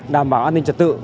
đảm bảo an ninh trả tự